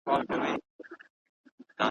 زموږ په مخکي ورځي شپې دي سفرونه .